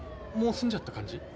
もう済んじゃった感じ？